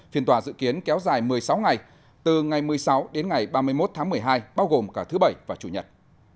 phiên tòa dự kiến kéo dài một mươi sáu ngày từ ngày một mươi sáu đến ngày ba mươi một tháng một mươi hai bao gồm cả thứ bảy và chủ nhật